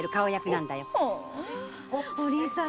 お凛さん